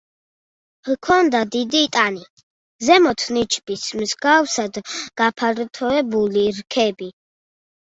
ჰქონდა დიდი ტანი, ზემოთ ნიჩბის მსგავსად გაფართოებული რქები.